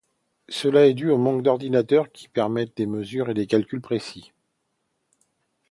Cela est dû au manque d'ordinateurs qui permettent des mesures et des calculs précis.